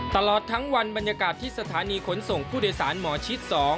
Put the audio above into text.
ตลอดทั้งวันบรรยากาศที่สถานีขนส่งผู้โดยสารหมอชิด๒